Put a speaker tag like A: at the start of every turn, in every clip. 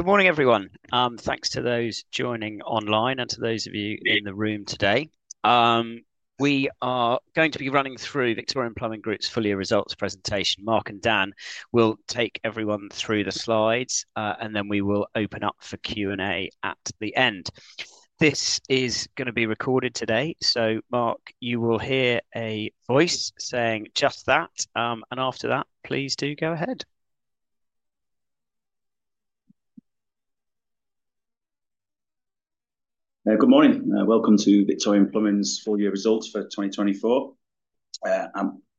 A: Good morning, everyone. Thanks to those joining online and to those of you in the room today. We are going to be running through the Victorian Plumbing Group's full-year results presentation. Mark and Dan will take everyone through the slides, and then we will open up for Q&A at the end. This is going to be recorded today, so Mark, you will hear a voice saying just that, and after that, please do go ahead.
B: Good morning. Welcome to Victorian Plumbing's full-year results for 2024.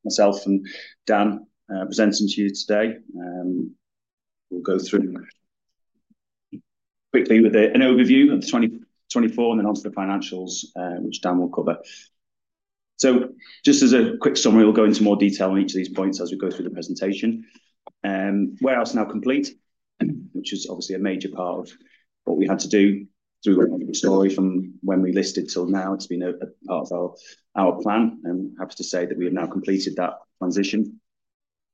B: Myself and Dan are presenting to you today. We'll go through quickly with an overview of 2024 and then on to the financials, which Dan will cover. So just as a quick summary, we'll go into more detail on each of these points as we go through the presentation. WMS now complete, which is obviously a major part of what we had to do through the story from when we listed till now. It's been a part of our plan, and I'm happy to say that we have now completed that transition.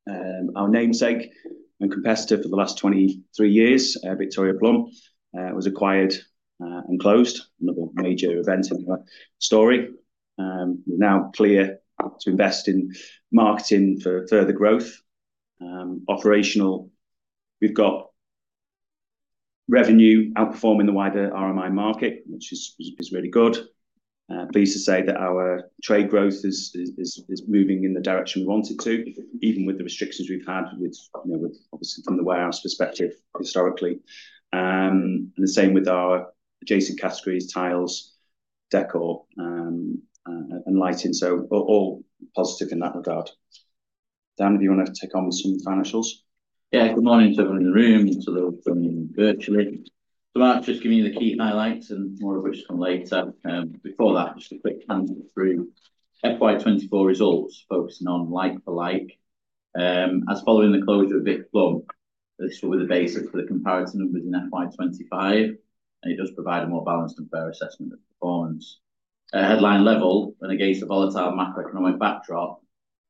B: Our namesake and competitor for the last 23 years, Victoria Plum, was acquired and closed, another major event in our story. We're now clear to invest in marketing for further growth. Operationally, we've got revenue outperforming the wider RMI market, which is really good. Pleased to say that our trade growth is moving in the direction we want it to, even with the restrictions we've had, obviously from the warehouse perspective historically. And the same with our adjacent categories, tiles, decor, and lighting. So all positive in that regard. Dan, do you want to take on some financials?
C: Yeah, good morning to everyone in the room and to those joining virtually. So Mark, just giving you the key highlights, and more of which come later. Before that, just a quick run-through. FY24 results focusing on like-for-like. As, following the closure of Vic Plum, this will be the basis for the comparison numbers in FY25, and it does provide a more balanced and fair assessment of performance. Headline level, and against a volatile macroeconomic backdrop,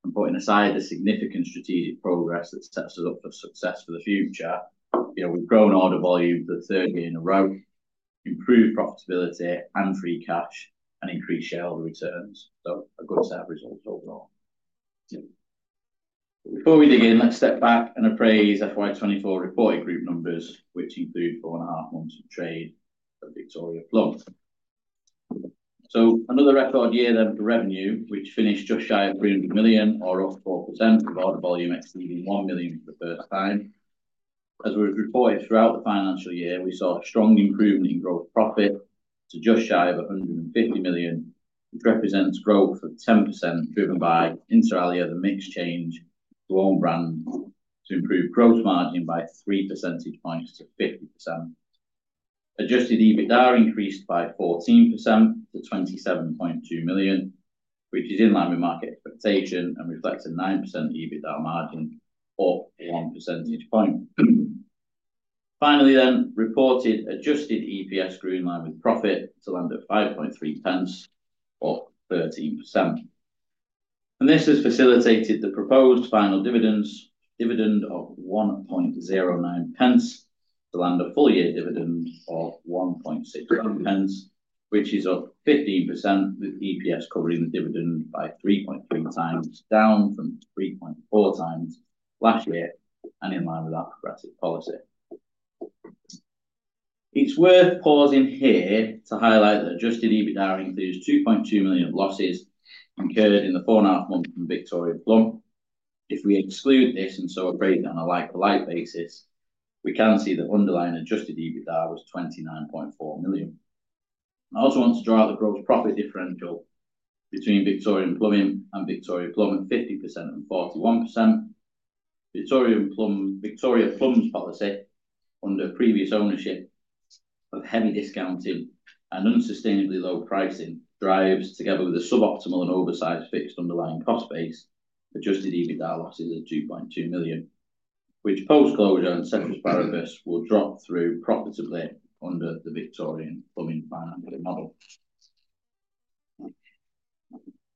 C: and putting aside the significant strategic progress that sets us up for success for the future, we've grown order volume for the third year in a row, improved profitability and free cash, and increased shareholder returns. So a good set of results overall. Before we dig in, let's step back and appraise FY24 reported group numbers, which include four and a half months of trade for Victoria Plumb. Another record year then for revenue, which finished just shy of 300 million, or up 4% on order volume exceeding 1 million for the first time. As we've reported throughout the financial year, we saw a strong improvement in gross profit to just shy of 150 million, which represents growth of 10% driven by year-on-year mix change to own brand to improve gross margin by 3 percentage points to 50%. Adjusted EBITDA increased by 14% to 27.2 million, which is in line with market expectation and reflects a 9% EBITDA margin up 1 percentage point. Finally, reported adjusted EPS grew in line with profit to land at 0.053 or 13%. And this has facilitated the proposed final dividend of 0.0109 to land a full year dividend of 0.0167, which is up 15% with EPS covering the dividend by 3.3 times, down from 3.4 times last year and in line with our progressive policy. It's worth pausing here to highlight that adjusted EBITDA includes 2.2 million losses incurred in the four and a half months from Victoria Plumb. If we exclude this and so operate on a like-for-like basis, we can see the underlying adjusted EBITDA was 29.4 million. I also want to draw out the gross profit differential between Victorian Plumbing and Victoria Plumb at 50% and 41%. Victoria Plumb's policy under previous ownership of heavy discounting and unsustainably low pricing drives, together with a suboptimal and oversized fixed underlying cost base, Adjusted EBITDA losses at 2.2 million, which post-closure and central spiral risk will drop through profitably under the Victorian Plumbing financial model,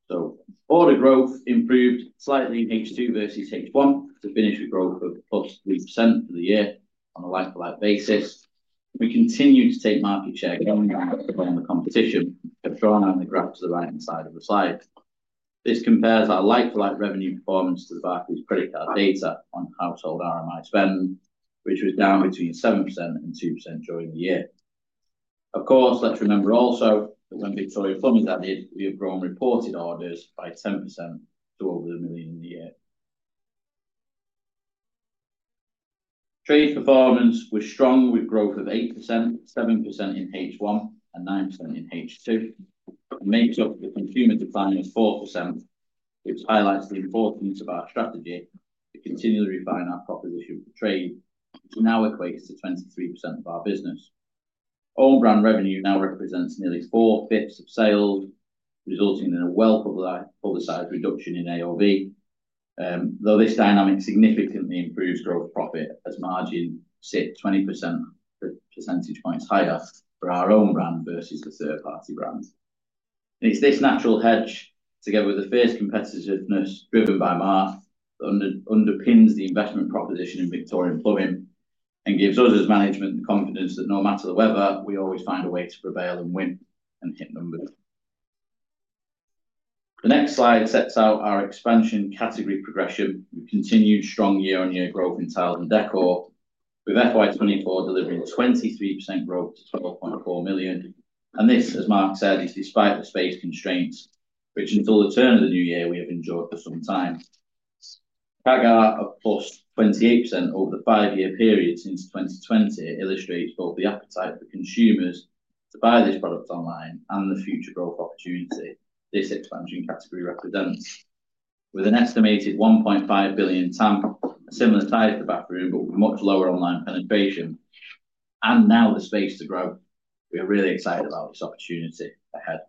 C: so order growth improved slightly in H2 versus H1 to finish a growth of +3% for the year on a like-for-like basis. We continue to take market share gain on the competition, which I've drawn on the graph to the right-hand side of the slide. This compares our like-for-like revenue performance to the Barclays credit card data on household RMI spend, which was down between 7% and 2% during the year. Of course, let's remember also that when Victoria Plumb that did, we have grown reported orders by 10% to over 1 million in the year. Trade performance was strong with growth of 8%, 7% in H1, and 9% in H2. It makes up the consumer decline of 4%, which highlights the importance of our strategy to continually refine our proposition for trade, which now equates to 23% of our business. Own brand revenue now represents nearly four-fifths of sales, resulting in a well-publicized reduction in AOV, though this dynamic significantly improves gross profit as margins sit 20 percentage points higher for our own brand versus the third-party brand. It's this natural hedge, together with the fierce competitiveness driven by Mark, that underpins the investment proposition in Victorian Plumbing and gives us as management the confidence that no matter the weather, we always find a way to prevail and win and hit numbers. The next slide sets out our expansion category progression with continued strong year-on-year growth in tiles and decor, with FY24 delivering 23% growth to 12.4 million, and this, as Mark said, is despite the space constraints, which until the turn of the new year, we have enjoyed for some time. CAGR of plus 28% over the five-year period since 2020 illustrates both the appetite of the consumers to buy these products online and the future growth opportunity this expansion category represents. With an estimated 1.5 billion TAM, a similar size to bathroom, but with much lower online penetration, and now the space to grow, we are really excited about this opportunity ahead.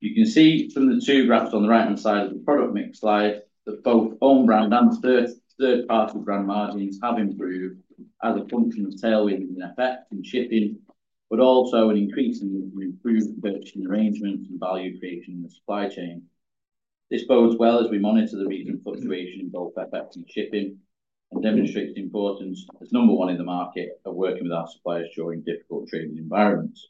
C: You can see from the two graphs on the right-hand side of the product mix slide that both own brand and third-party brand margins have improved as a function of tailwinds in FX and shipping, but also an increase in improved purchasing arrangements and value creation in the supply chain. This bodes well as we monitor the recent fluctuation in both FX and shipping and demonstrates the importance as number one in the market of working with our suppliers during difficult trading environments.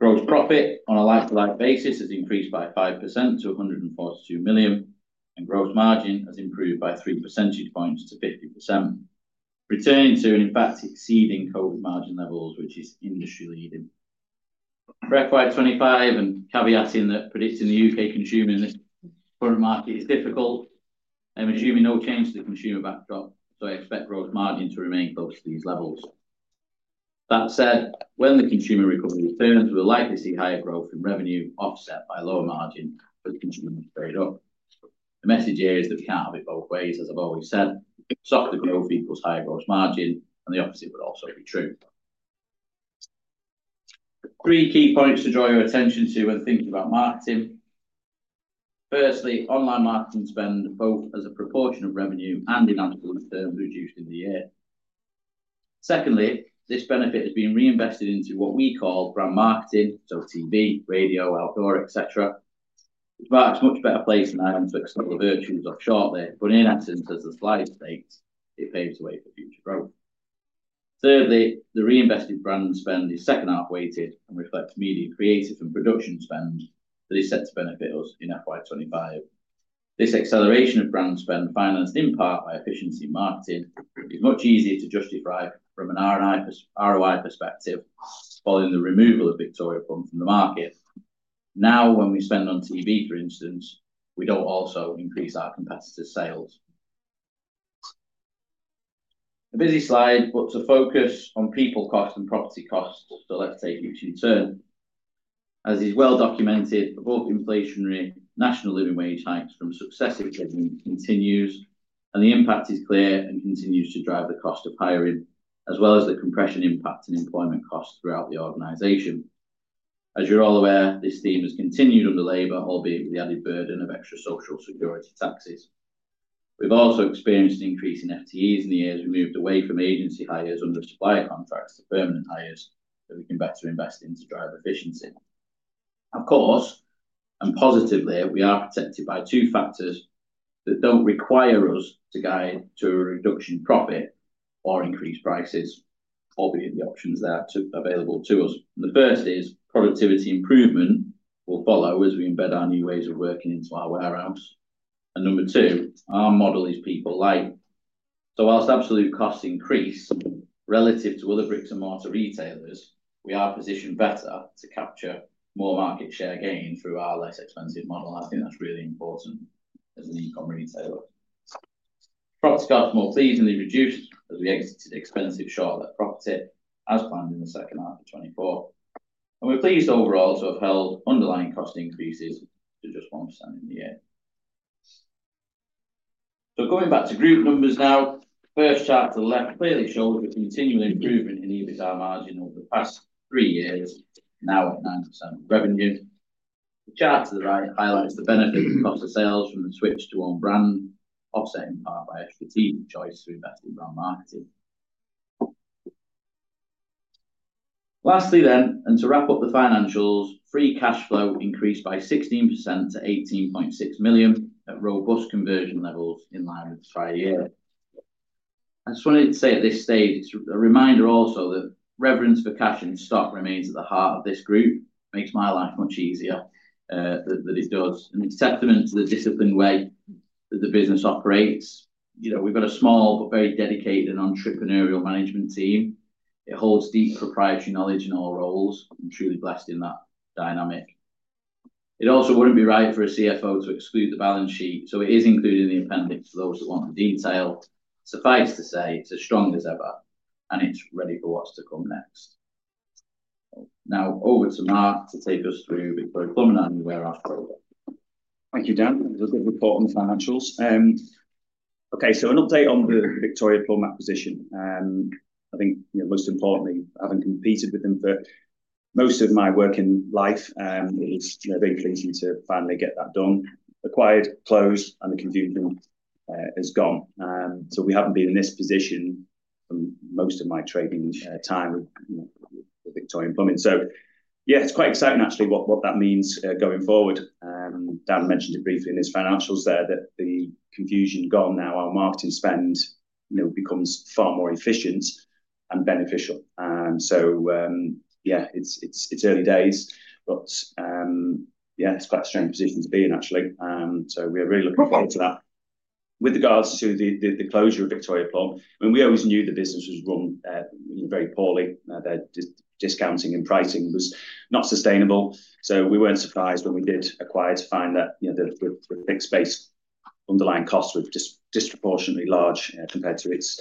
C: Gross profit on a like-for-like basis has increased by 5% to 142 million, and gross margin has improved by 3 percentage points to 50%, returning to and in fact exceeding COVID margin levels, which is industry-leading. For FY25 and caveating that predicting the U.K. consumer in this current market is difficult, I'm assuming no change to the consumer backdrop, so I expect gross margin to remain close to these levels. That said, when the consumer recovery returns, we'll likely see higher growth in revenue offset by lower margin for the consumer trade up. The message here is that we can't have it both ways, as I've always said. Softer growth equals higher gross margin, and the opposite would also be true. Three key points to draw your attention to when thinking about marketing. Firstly, online marketing spend, both as a proportion of revenue and in actual returns, reduced in the year. Secondly, this benefit has been reinvested into what we call brand marketing, so TV, radio, outdoor, etc. us in a much better place than I am to extol the virtues of short lead times, but in essence, as the slide states, it paves the way for future growth. Thirdly, the reinvested brand spend is second-half weighted and reflects media creative and production spend that is set to benefit us in FY25. This acceleration of brand spend, financed in part by marketing efficiencies, is much easier to justify from an ROI perspective following the removal of Victoria Plumb from the market. Now, when we spend on TV, for instance, we don't also increase our competitor sales. A busy slide, but to focus on people costs and property costs, so let's take each in turn. As is well documented, both inflationary national living wage hikes from successive governments continues, and the impact is clear and continues to drive the cost of hiring, as well as the compression impact and employment costs throughout the organization. As you're all aware, this theme has continued under Labour, albeit with the added burden of extra social security taxes. We've also experienced an increase in FTEs in the years we moved away from agency hires under supplier contracts to permanent hires that we can better invest in to drive efficiency. Of course, and positively, we are protected by two factors that don't require us to guide to a reduction in profit or increased prices, albeit the options there are available to us. The first is productivity improvement will follow as we embed our new ways of working into our warehouse. And number two, our model is people-light. Whilst absolute costs increase relative to other bricks and mortar retailers, we are positioned better to capture more market share gain through our less expensive model. I think that's really important as an e-com retailer. Profit costs more pleasingly reduced as we exited expensive short-let property as planned in the second half of 2024. And we're pleased overall to have held underlying cost increases to just 1% in the year. So going back to group numbers now, the first chart to the left clearly shows a continuing improvement in EBITDA margin over the past three years, now at 9% revenue. The chart to the right highlights the benefit of cost of sales from the switch to own brand, offset in part by a strategic choice to invest in brand marketing. Lastly then, and to wrap up the financials, free cash flow increased by 16% to 18.6 million at robust conversion levels in line with the prior year. I just wanted to say at this stage, it's a reminder also that reverence for cash in stock remains at the heart of this group. It makes my life much easier that it does, and it's a testament to the disciplined way that the business operates. We've got a small but very dedicated and entrepreneurial management team. It holds deep proprietary knowledge in all roles and truly blessed in that dynamic. It also wouldn't be right for a CFO to exclude the balance sheet, so it is included in the appendix for those that want the detail. Suffice to say, it's as strong as ever, and it's ready for what's to come next. Now over to Mark to take us through Victorian Plumbing and the warehouse program.
B: Thank you, Dan. A little bit of report on the financials. Okay, so an update on the Victoria Plumb acquisition. I think most importantly, having competed with them for most of my working life, it was very pleasing to finally get that done. Acquired, closed, and the confusion has gone. So we haven't been in this position for most of my trading time with Victorian Plumbing. So yeah, it's quite exciting actually what that means going forward. Dan mentioned it briefly in his financials there that the confusion gone now, our marketing spend becomes far more efficient and beneficial. So yeah, it's early days, but yeah, it's quite a strange position to be in actually. So we're really looking forward to that. With regards to the closure of Victoria Plumb, I mean, we always knew the business was run very poorly. Their discounting and pricing was not sustainable. We weren't surprised when we did acquire to find that the fixed-based underlying costs were just disproportionately large compared to its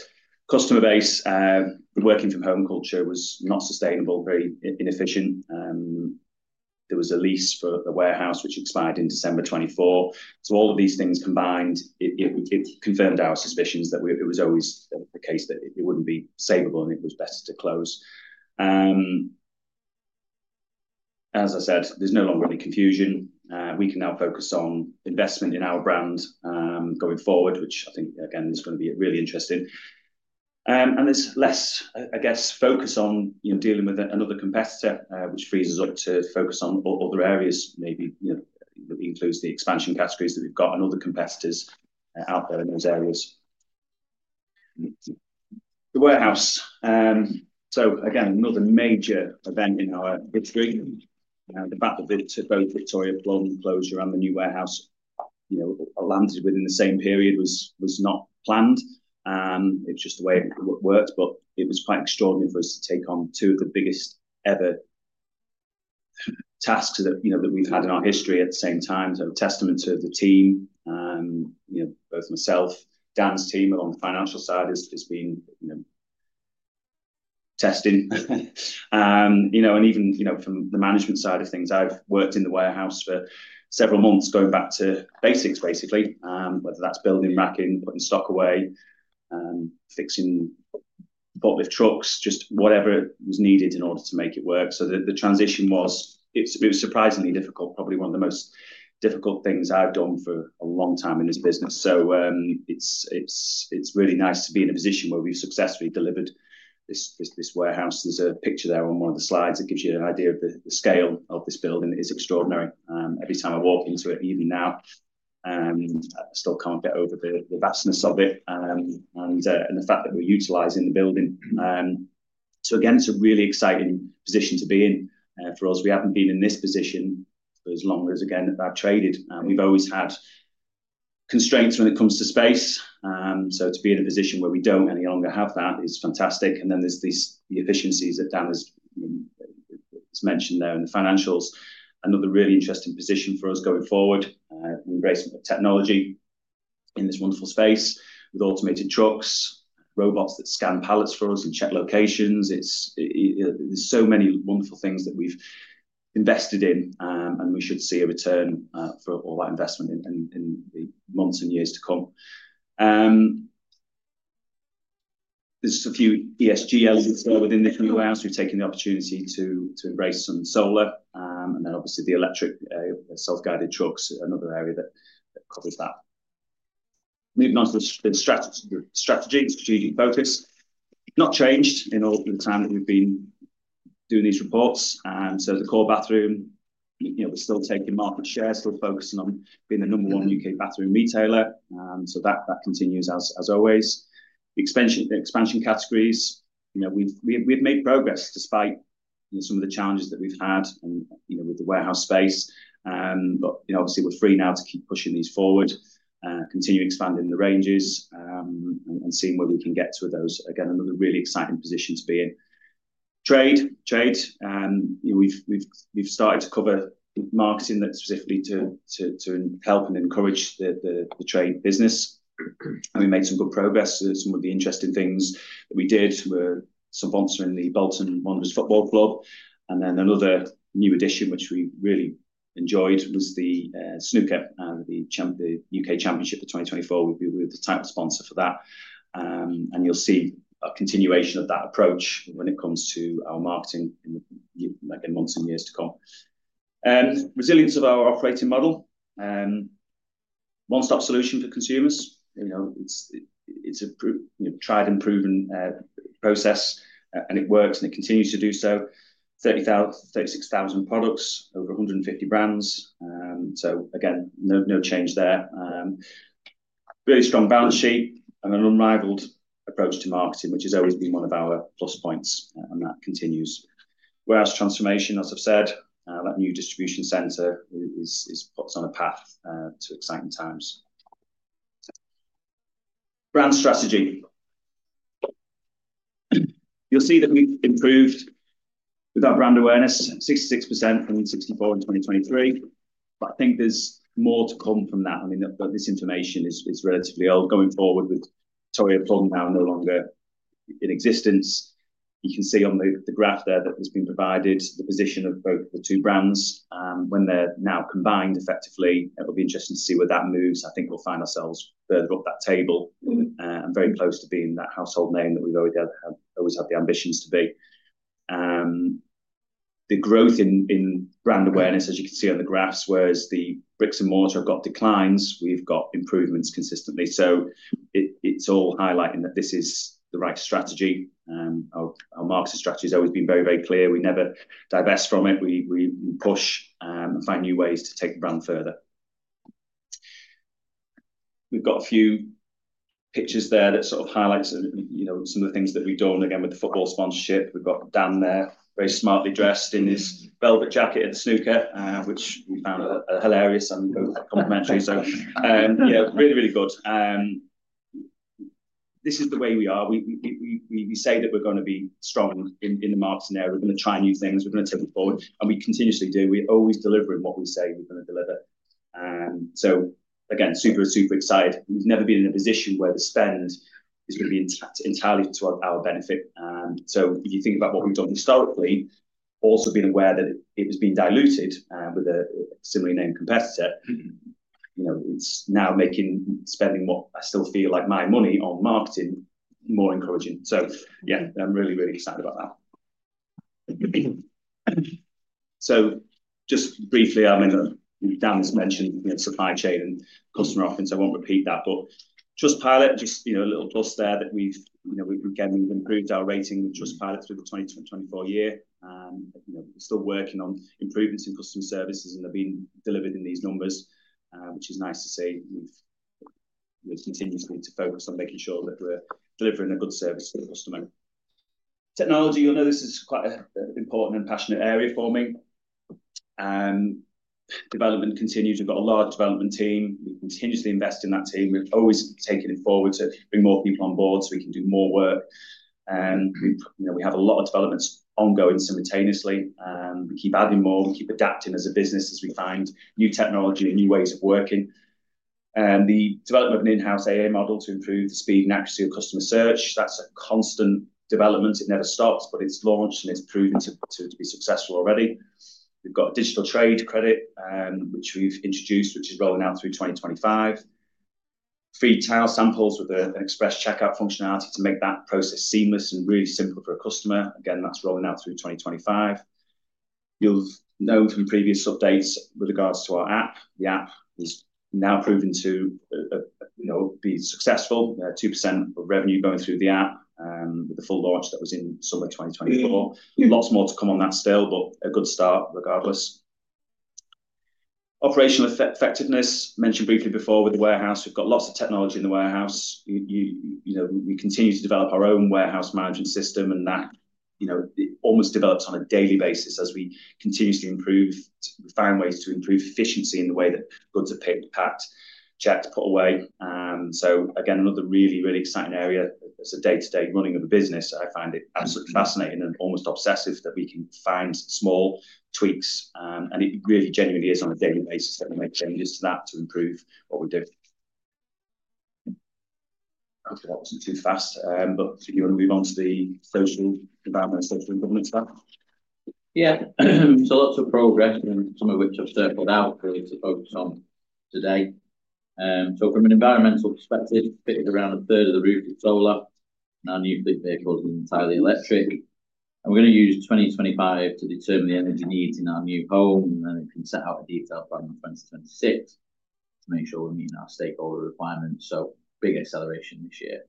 B: customer base. The working from home culture was not sustainable, very inefficient. There was a lease for the warehouse which expired in December 2024. All of these things combined, it confirmed our suspicions that it was always the case that it wouldn't be savable and it was best to close. As I said, there's no longer any confusion. We can now focus on investment in our brand going forward, which I think, again, is going to be really interesting. There's less, I guess, focus on dealing with another competitor, which frees us up to focus on other areas, maybe includes the expansion categories that we've got and other competitors out there in those areas. The warehouse. Again, another major event in our history. The fact that both Victoria Plumb closed around the new warehouse landed within the same period was not planned. It's just the way it worked, but it was quite extraordinary for us to take on two of the biggest ever tasks that we've had in our history at the same time. So a testament to the team, both myself, Dan's team along the financial side has been tested. And even from the management side of things, I've worked in the warehouse for several months going back to basics, basically, whether that's building, racking, putting stock away, fixing forklift trucks, just whatever was needed in order to make it work. So the transition was, it was surprisingly difficult, probably one of the most difficult things I've done for a long time in this business. So it's really nice to be in a position where we've successfully delivered this warehouse. There's a picture there on one of the slides that gives you an idea of the scale of this building. It is extraordinary. Every time I walk into it, even now, I still can't get over the vastness of it and the fact that we're utilizing the building. So again, it's a really exciting position to be in for us. We haven't been in this position for as long as, again, I've traded. We've always had constraints when it comes to space. So to be in a position where we don't any longer have that is fantastic. And then there's the efficiencies that Dan has mentioned there in the financials. Another really interesting position for us going forward, the embracement of technology in this wonderful space with automated trucks, robots that scan pallets for us and check locations. There's so many wonderful things that we've invested in, and we should see a return for all that investment in the months and years to come. There's a few ESG elements within this warehouse. We've taken the opportunity to embrace some solar and then obviously the electric self-guided trucks, another area that covers that. Moving on to the strategy, strategic focus. Not changed in all the time that we've been doing these reports. So the core bathroom, we're still taking market share, still focusing on being the number one U.K. bathroom retailer. So that continues as always. The expansion categories, we've made progress despite some of the challenges that we've had with the warehouse space. But obviously, we're free now to keep pushing these forward, continue expanding the ranges and seeing where we can get to those. Again, another really exciting position to be in. Trade, trade. We've started to cover marketing specifically to help and encourage the trade business, and we made some good progress. Some of the interesting things that we did were some sponsoring the Bolton Wanderers Football Club. And then another new addition, which we really enjoyed, was the snooker and the UK Championship for 2024. We were the title sponsor for that, and you'll see a continuation of that approach when it comes to our marketing in months and years to come. Resilience of our operating model. One-stop solution for consumers. It's a tried and proven process, and it works, and it continues to do so. 36,000 products, over 150 brands. So again, no change there. Really strong balance sheet and an unrivaled approach to marketing, which has always been one of our plus points, and that continues. Warehouse transformation, as I've said, that new distribution center puts us on a path to exciting times. Brand strategy. You'll see that we've improved with our brand awareness, 64% from 16% in 2023. But I think there's more to come from that. I mean, this information is relatively old. Going forward with Victoria Plumb now no longer in existence, you can see on the graph there that has been provided the position of both the two brands. When they're now combined effectively, it'll be interesting to see where that moves. I think we'll find ourselves further up that table and very close to being that household name that we've always had the ambitions to be. The growth in brand awareness, as you can see on the graphs, whereas the bricks and mortar have got declines, we've got improvements consistently. So it's all highlighting that this is the right strategy. Our marketing strategy has always been very, very clear. We never divest from it. We push and find new ways to take the brand further. We've got a few pictures there that sort of highlights some of the things that we've done, again, with the football sponsorship. We've got Dan there, very smartly dressed in his velvet jacket at the snooker, which we found hilarious and complimentary, so really, really good. This is the way we are. We say that we're going to be strong in the marketing area. We're going to try new things. We're going to take it forward, and we continuously do. We're always delivering what we say we're going to deliver, so again, super, super excited. We've never been in a position where the spend is going to be entirely to our benefit. So if you think about what we've done historically, also being aware that it was being diluted with a similarly named competitor, it's now making spending what I still feel like my money on marketing more encouraging. So yeah, I'm really, really excited about that. So just briefly, I mean, Dan has mentioned supply chain and customer offerings. I won't repeat that, but Trustpilot, just a little plus there that we've again improved our rating with Trustpilot through the 2024 year. We're still working on improvements in customer services, and they've been delivered in these numbers, which is nice to see. We continue to focus on making sure that we're delivering a good service to the customer. Technology, you'll know this is quite an important and passionate area for me. Development continues. We've got a large development team. We continuously invest in that team. We've always taken it forward to bring more people on board so we can do more work. We have a lot of developments ongoing simultaneously. We keep adding more. We keep adapting as a business as we find new technology and new ways of working. The development of an in-house AI model to improve the speed and accuracy of customer search. That's a constant development. It never stops, but it's launched and it's proven to be successful already. We've got digital trade credit, which we've introduced, which is rolling out through 2025. Free tile samples with an express checkout functionality to make that process seamless and really simple for a customer. Again, that's rolling out through 2025. You'll know from previous updates with regards to our app. The app is now proven to be successful. 2% of revenue going through the app with the full launch that was in summer 2024. Lots more to come on that still, but a good start regardless. Operational effectiveness, mentioned briefly before with the warehouse. We've got lots of technology in the warehouse. We continue to develop our own warehouse management system and that almost develops on a daily basis as we continuously improve. We find ways to improve efficiency in the way that goods are picked, packed, checked, put away. So again, another really, really exciting area. It's a day-to-day running of the business. I find it absolutely fascinating and almost obsessive that we can find small tweaks. And it really genuinely is on a daily basis that we make changes to that to improve what we do. That was too fast, but do you want to move on to the social, environmental, and governance stuff?
C: Yeah. So, lots of progress, and some of which I've circled out for you to focus on today, so from an environmental perspective, fitted around a third of the roof with solar. Our new fleet vehicle is entirely electric, and we're going to use 2025 to determine the energy needs in our new home, and then we can set out a detailed plan for 2026 to make sure we're meeting our stakeholder requirements, so big acceleration this year.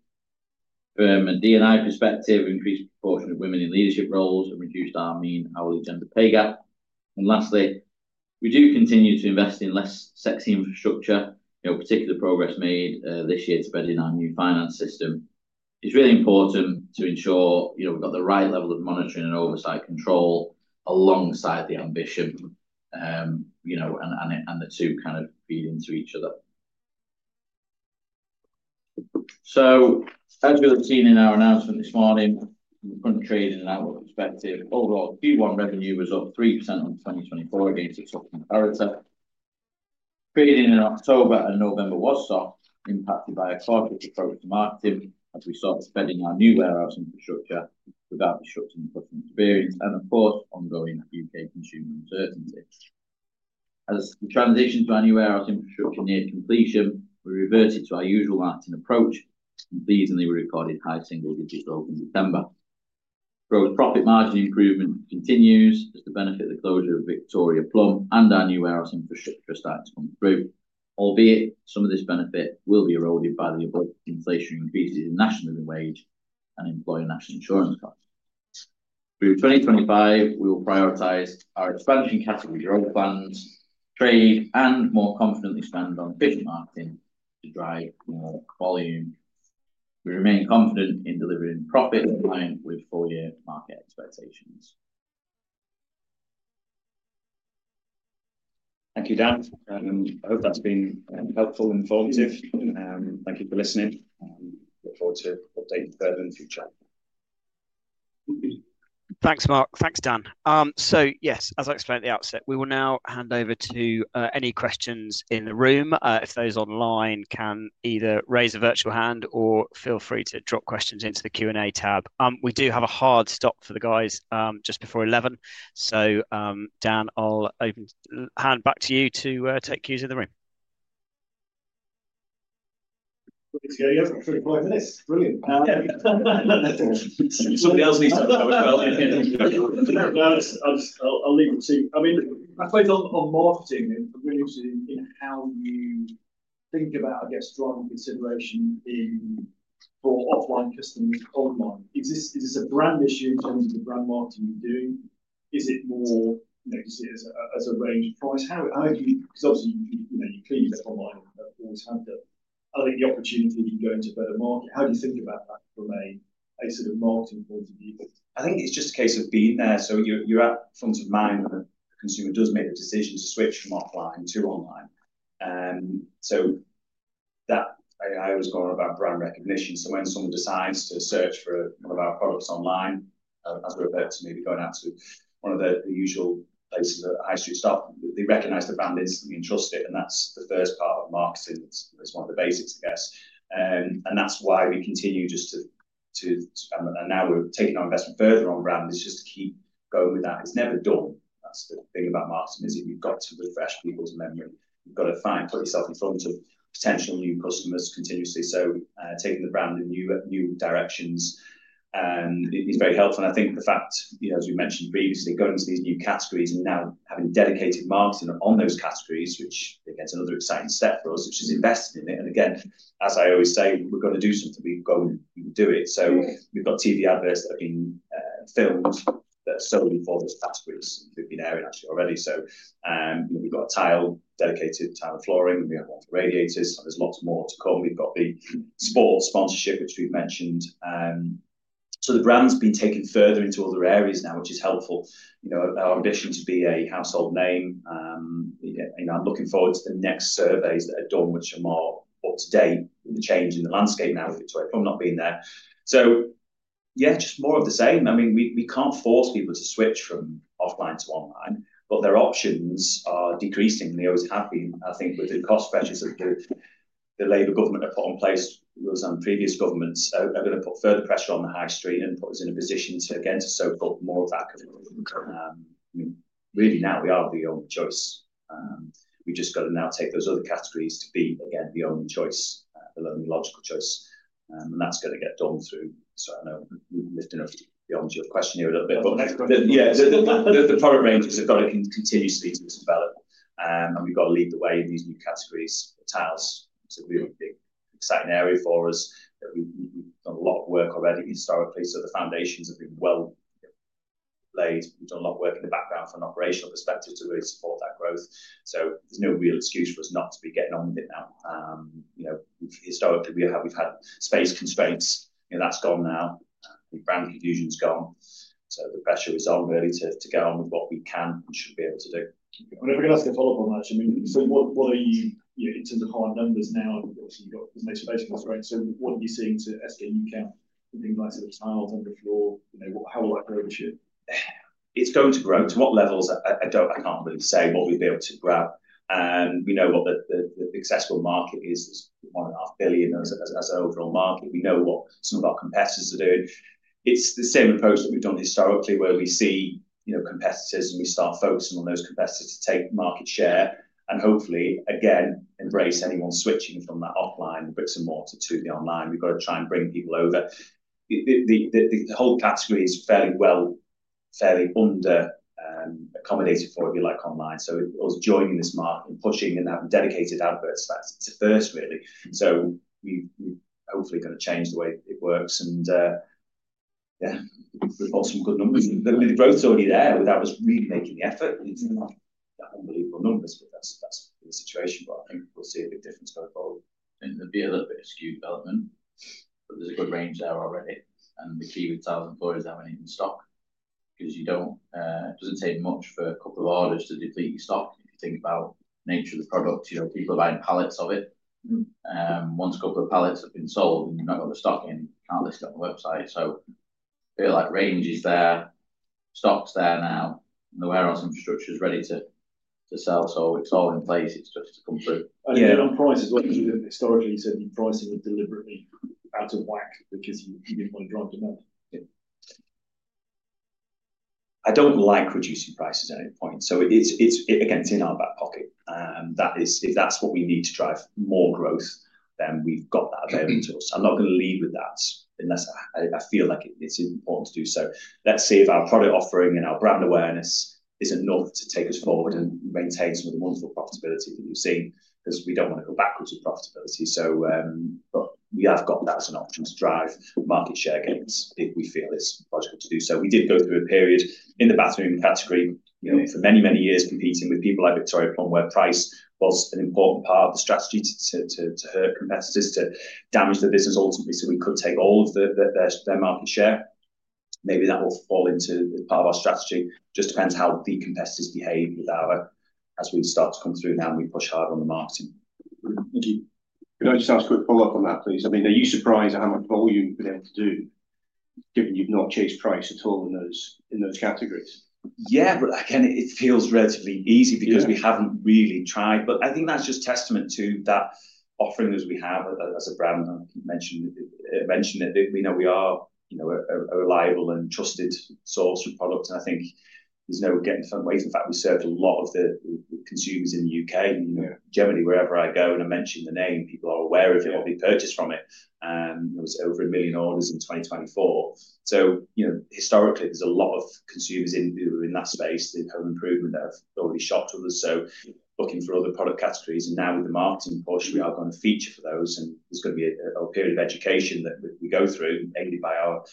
C: From a D&I perspective, increased proportion of women in leadership roles and reduced our mean hourly gender pay gap, and lastly, we do continue to invest in less sexy infrastructure. Particular progress made this year to better our new finance system. It's really important to ensure we've got the right level of monitoring and oversight control alongside the ambition, and the two kind of feed into each other. So as we've seen in our announcement this morning, from a trading and outlook perspective, overall Q1 revenue was up 3% in 2024 against its upcoming parity. Trading in October and November was soft, impacted by a cautious approach to marketing as we started bedding our new warehouse infrastructure without disrupting customer experience and, of course, ongoing U.K. consumer uncertainty. As the transition to our new warehouse infrastructure neared completion, we reverted to our usual marketing approach and pleasingly recorded high single-digit growth in December. Gross profit margin improvement continues as the benefit of the closure of Victoria Plumb and our new warehouse infrastructure starts to come through, albeit some of this benefit will be eroded by the inflationary increases in national living wage and employee national insurance costs. Through 2025, we will prioritize our expansion category growth plans, trade, and more confidently spend on efficient marketing to drive more volume. We remain confident in delivering profit in line with four-year market expectations. Thank you, Dan. I hope that's been helpful and informative. Thank you for listening. Look forward to updating further in the future.
A: Thanks, Mark. Thanks, Dan. So yes, as I explained at the outset, we will now hand over to any questions in the room. If those online can either raise a virtual hand or feel free to drop questions into the Q&A tab. We do have a hard stop for the guys just before 11:00 A.M. So Dan, I'll hand back to you to take cues in the room.
D: Thanks, guys. Thanks. Brilliant. Somebody else needs to know as well. I'll leave it to you. I mean, I play down marketing and really interested in how you think about, I guess, driving consideration for offline customers online. Is this a brand issue in terms of the brand marketing you're doing? Is it more a range or price? Because obviously, you clearly have online and have always had that. I think the opportunity to go into a better market. How do you think about that from a sort of marketing point of view?
B: I think it's just a case of being there. So you're at the front of mind when a consumer does make a decision to switch from offline to online. So I always go about brand recognition. So when someone decides to search for one of our products online, as we refer to maybe going out to one of the usual places at high street stuff, they recognize the brand instantly and trust it. And that's the first part of marketing. It's one of the basics, I guess. And that's why we continue just to, and now we're taking our investment further on brand is just to keep going with that. It's never done. That's the thing about marketing is that you've got to refresh people's memory. You've got to find, put yourself in front of potential new customers continuously. So taking the brand in new directions is very helpful. I think the fact, as we mentioned previously, going to these new categories and now having dedicated marketing on those categories, which, again, is another exciting step for us, which is investing in it. And again, as I always say, we're going to do something. We've got to do it. So we've got TV adverts that have been filmed that are sold for those categories. We've been airing actually already. So we've got tile, dedicated tile and flooring. We have one for radiators. So there's lots more to come. We've got the sports sponsorship, which we've mentioned. So the brand's been taken further into other areas now, which is helpful. Our ambition to be a household name. I'm looking forward to the next surveys that are done, which are more up to date with the change in the landscape now with Victoria Plumb not being there. So yeah, just more of the same. I mean, we can't force people to switch from offline to online, but their options are decreasing and they always have been. I think with the cost pressures that the Labour government have put in place, those previous governments are going to put further pressure on the high street and put us in a position to, again, to soak up more of that. I mean, really now we are the only choice. We've just got to now take those other categories to be, again, the only choice, the only logical choice. And that's going to get done through. So I know we've lifted up beyond your question here a little bit. Yeah, the product ranges have got to continue to be developed. And we've got to lead the way in these new categories. Tiles is a really big exciting area for us. We've done a lot of work already historically. So the foundations have been well laid. We've done a lot of work in the background from an operational perspective to really support that growth. So there's no real excuse for us not to be getting on with it now. Historically, we've had space constraints. That's gone now. The brand confusion's gone. So the pressure is on really to get on with what we can and should be able to do.
D: I'm going to ask a follow-up on that. I mean, so what are you in terms of hard numbers now? Obviously, you've got as much space, right? So what are you seeing to escalate the things like sort of tiles on the floor? How will that grow this year?
B: It's going to grow. To what levels? I can't really say what we've been able to grow. We know what the successful market is. It's 1.5 billion as an overall market. We know what some of our competitors are doing. It's the same approach that we've done historically, where we see competitors and we start focusing on those competitors to take market share and hopefully, again, embrace anyone switching from that offline bricks and mortar to the online. We've got to try and bring people over. The whole category is fairly well under accommodated for, if you like, online, so it was joining this market and pushing and having dedicated adverts. That's the first, really, so we're hopefully going to change the way it works, and yeah, we've got some good numbers. The growth's already there without us really making the effort. It's unbelievable numbers, but that's the situation. But I think we'll see a big difference going forward.
C: I think there'll be a little bit of SKU development, but there's a good range there already, and the key with tiles and floors is how many in stock. Because it doesn't take much for a couple of orders to deplete your stock. If you think about the nature of the product, people are buying pallets of it. Once a couple of pallets have been sold and you've not got the stock in, you can't list it on the website, so I feel like range is there. Stock's there now. The warehouse infrastructure is ready to sell, so it's all in place. It's just to come through.
D: On prices, what did you do historically? You said you priced in it deliberately out of whack because you didn't want to drive demand.
B: I don't like reducing prices at any point. So again, it's in our back pocket. If that's what we need to drive more growth, then we've got that available to us. I'm not going to lead with that unless I feel like it's important to do so. Let's see if our product offering and our brand awareness is enough to take us forward and maintain some of the wonderful profitability that you've seen because we don't want to go backwards with profitability. But we have got that as an option to drive market share gains if we feel it's logical to do so. We did go through a period in the bathroom category for many, many years competing with people like Victoria Plumb where price was an important part of the strategy to hurt competitors, to damage the business ultimately so we could take all of their market share. Maybe that will fall into part of our strategy. Just depends how the competitors behave as we start to come through now and we push harder on the marketing.
D: Thank you. Can I just ask a quick follow-up on that, please? I mean, are you surprised at how much volume you've been able to do given you've not chased price at all in those categories?
B: Yeah, but again, it feels relatively easy because we haven't really tried. But I think that's just testament to that offering as we have as a brand. I mentioned it. We know we are a reliable and trusted source of product. And I think there's no getting in front of waves. In fact, we served a lot of the consumers in the U.K. Generally, wherever I go and I mention the name, people are aware of it or they purchase from it. It was over a million orders in 2024. So historically, there's a lot of consumers in that space, home improvement that have already shopped with us. So looking for other product categories. And now with the marketing push, we are going to feature for those. There's going to be a period of education that we go through aided by our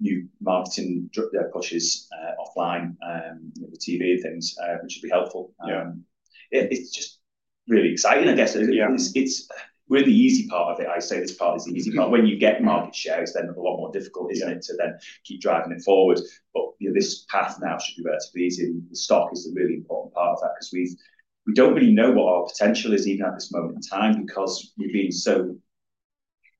B: new marketing pushes offline, the TV things, which will be helpful. It's just really exciting, I guess. We're the easy part of it. I say this part is the easy part. When you get market share, it's then a lot more difficult, isn't it, to then keep driving it forward. But this path now should be relatively easy. The stock is the really important part of that because we don't really know what our potential is even at this moment in time because we've been so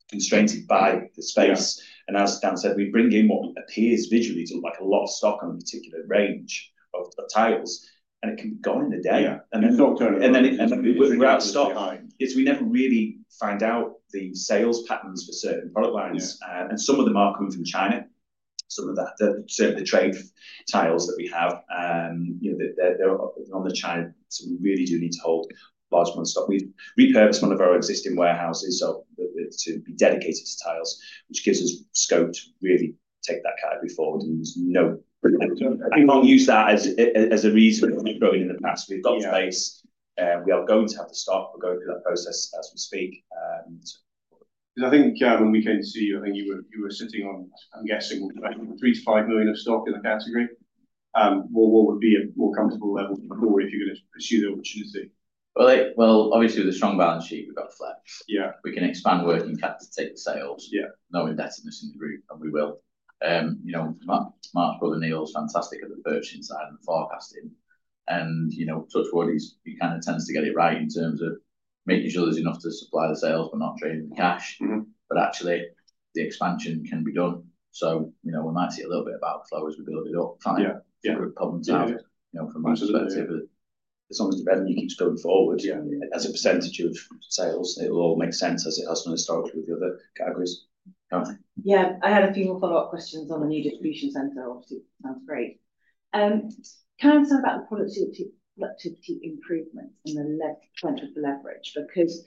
B: constrained by the space. And as Dan said, we bring in what appears visually to look like a lot of stock on a particular range of tiles. And it can be gone in a day.
D: And it's not going to.
B: It's without stock. We never really find out the sales patterns for certain product lines. Some of them are coming from China. Some of the trade tiles that we have, they're from China. We really do need to hold large amounts of stock. We've repurposed one of our existing warehouses to be dedicated to tiles, which gives us scope to really take that category forward. There's no. I can't use that as a reason for growing in the past. We've got space. We are going to have the stock. We're going through that process as we speak.
D: I think when we came to see you, I think you were sitting on, I'm guessing, three to five million of stock in the category. What would be a more comfortable level for you if you're going to pursue the opportunity?
B: Well, obviously, with a strong balance sheet, we've got flex. We can expand working cap to take the sales. No indebtedness in the group, and we will. Mark Brogan, he was fantastic at the purchasing side and the forecasting. And touch wood, he kind of tends to get it right in terms of making sure there's enough to supply the sales but not drain the cash. But actually, the expansion can be done. So we might see a little bit of outflow as we build it up, trying to get rid of problems out from my perspective. As long as the revenue keeps going forward, as a percentage of sales, it will all make sense as it has done historically with the other categories.
E: Yeah. I had a few more follow-up questions on the new distribution center. Obviously, it sounds great. Can I say about the productivity improvement and the leverage? Because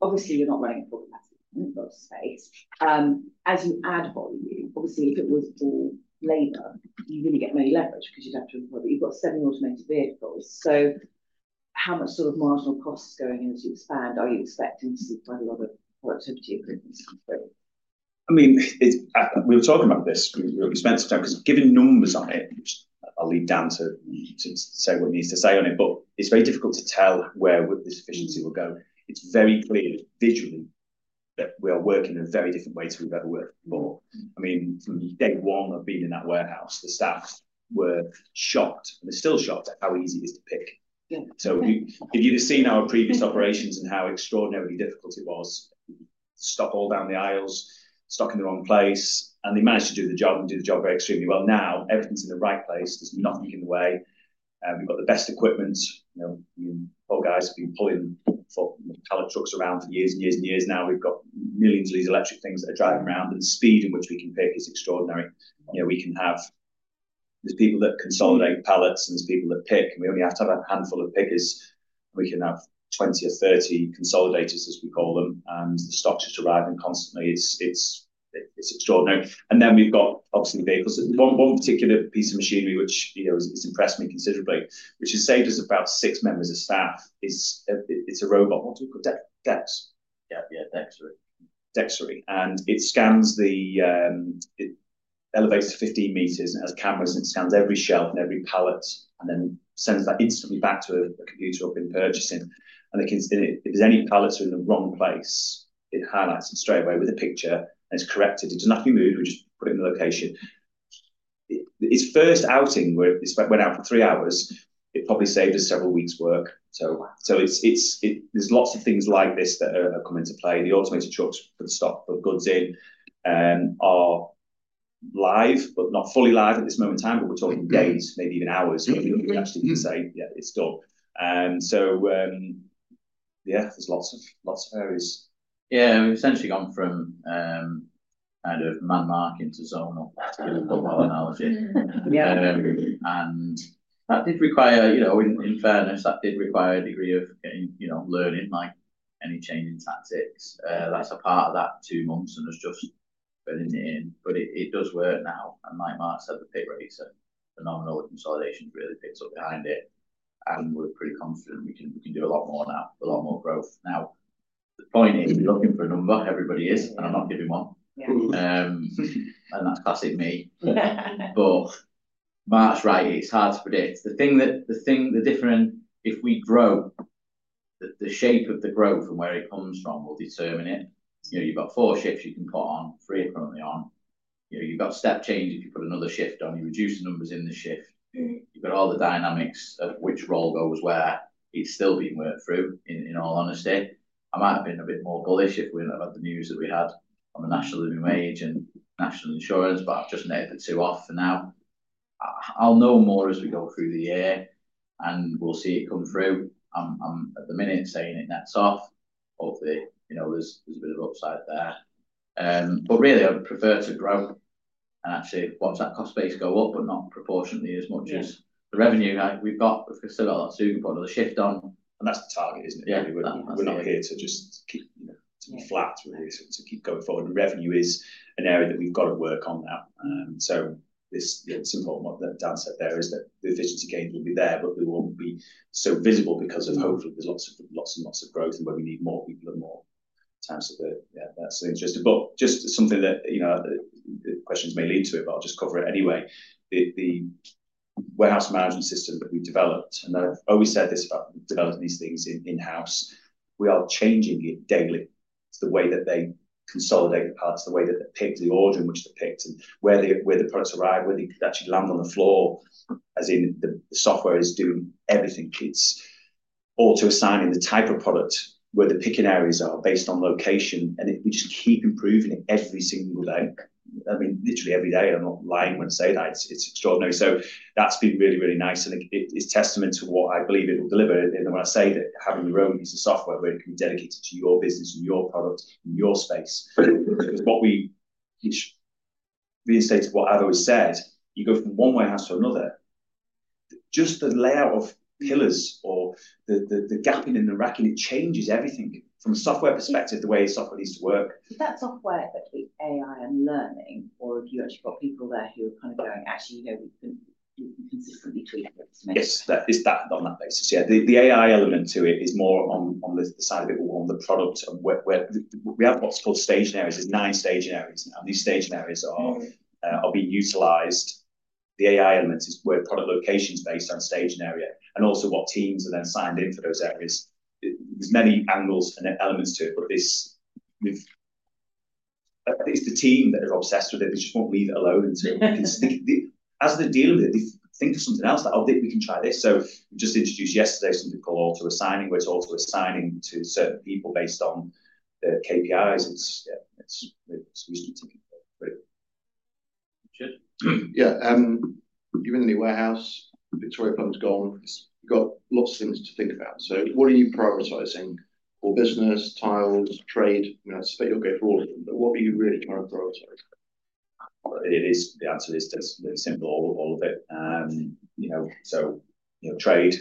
E: obviously, you're not running a full capacity space. As you add volume, obviously, if it was all labor, you really get no leverage because you'd have to employ that. You've got seven automated vehicles. So how much sort of marginal costs going into expand are you expecting to see quite a lot of productivity improvements come through?
B: I mean, we were talking about this. We were expecting to because given numbers on it. I'll leave Dan to say what he needs to say on it. But it's very difficult to tell where this efficiency will go. It's very clear visually that we are working in a very different way to we've ever worked before. I mean, from day one of being in that warehouse, the staff were shocked and are still shocked at how easy it is to pick. So if you've seen our previous operations and how extraordinarily difficult it was, stuck all down the aisles, stuck in the wrong place, and they managed to do the job and do the job very extremely well. Now everything's in the right place. There's nothing in the way. We've got the best equipment. We've got guys who've been pulling pallet trucks around for years and years and years. Now we've got millions of these electric things that are driving around. The speed in which we can pick is extraordinary. We can have. There's people that consolidate pallets and there's people that pick. And we only have to have a handful of pickers. We can have 20 or 30 consolidators, as we call them. And the stock just arriving constantly. It's extraordinary. And then we've got, obviously, vehicles. One particular piece of machinery, which has impressed me considerably, which has saved us about six members of staff, is a robot. What do we call it? Dex. Yeah, Dextery. Dextery. And it scans the. It elevates to 15 meters and has cameras and scans every shelf and every pallet. And then it sends that instantly back to a computer we've been purchasing. And if there's any pallets in the wrong place, it highlights it straight away with a picture and it's corrected. It does nothing new. We just put it in the location. Its first outing, where it went out for three hours, it probably saved us several weeks' work. So there's lots of things like this that have come into play. The automated trucks put the stock, put the goods in, are live, but not fully live at this moment in time. But we're talking days, maybe even hours. We actually can say, "Yeah, it's done." So yeah, there's lots of areas.
C: Yeah. We've essentially gone from kind of landmark into zone or particular analogy. And that did require, in fairness, that did require a degree of learning, like any change in tactics. That's a part of that two months and has just been in the end. But it does work now. And like Mark said, the pick rates are phenomenal. The consolidation's really picked up behind it. And we're pretty confident we can do a lot more now, a lot more growth now. The point is we're looking for a number. Everybody is. And I'm not giving one. And that's classic me. But Mark's right. It's hard to predict. The thing that the different—if we grow, the shape of the growth and where it comes from will determine it. You've got four shifts you can put on, three are currently on. You've got step change if you put another shift on. You reduce the numbers in the shift. You've got all the dynamics of which roll goes where. It's still being worked through, in all honesty. I might have been a bit more bullish if we hadn't had the news that we had on the national living wage and national insurance, but I've just netted the two off for now. I'll know more as we go through the year, and we'll see it come through. I'm, at the minute, saying it nets off. Hopefully, there's a bit of upside there. But really, I'd prefer to grow, and actually, once that cost base goes up, but not proportionately as much as the revenue we've got. We've still got that sweet spot of the shift on, and that's the target, isn't it?
B: Yeah. We're not here to just keep to be flat, really, to keep going forward, and revenue is an area that we've got to work on now, so it's important what Dan said there is that the efficiency gains will be there, but they won't be so visible because of, hopefully, there's lots and lots of growth and where we need more people and more times of the year. That's the interesting, but just something that the questions may lead to, but I'll just cover it anyway. The warehouse management system that we developed, and I've always said this about developing these things in-house, we are changing it daily to the way that they consolidate the pallets, the way that they pick, the order in which they pick, and where the products arrive, where they could actually land on the floor, as in the software is doing everything. It's auto assigning the type of product, where the picking areas are based on location, and we just keep improving it every single day. I mean, literally every day. I'm not lying when I say that. It's extraordinary, so that's been really, really nice, and it's testament to what I believe it will deliver when I say that having your own piece of software where it can be dedicated to your business and your product and your space, because what we reinstated, what I've always said, you go from one warehouse to another. Just the layout of pillars or the gapping and the racking, it changes everything from a software perspective, the way software needs to work.
E: Is that software actually AI and learning, or have you actually got people there who are kind of going, "Actually, we can consistently tweak it?
B: Yes. It's that on that basis. Yeah. The AI element to it is more on the side of it or on the product. We have what's called staging areas. There's nine staging areas now. These staging areas are being utilized. The AI element is where product location is based on staging area and also what teams are then signed in for those areas. There's many angles and elements to it, but it's the team that are obsessed with it. They just won't leave it alone. As they deal with it, they think of something else. They'll think, "We can try this." So we just introduced yesterday something called auto assigning, where it's auto assigning to certain people based on the KPIs. It's reasonably ticking.
D: Richard? Yeah. You've been in the warehouse. Victoria Plumb's gone. You've got lots of things to think about. So what are you prioritizing? Core business, tiles, trade? I suspect you'll go through all of them. But what are you really trying to prioritize?
B: It is. The answer is simple. All of it. So trade is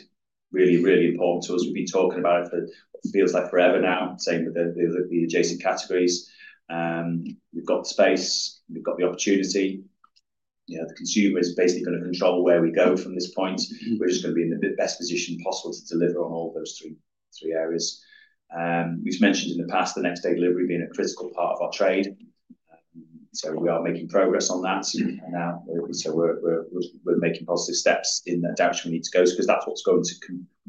B: really, really important to us. We've been talking about it for what feels like forever now, same with the adjacent categories. We've got the space. We've got the opportunity. The consumer is basically going to control where we go from this point. We're just going to be in the best position possible to deliver on all those three areas. We've mentioned in the past the next-day delivery being a critical part of our trade. So we are making progress on that. So we're making positive steps in that direction we need to go because that's what's going to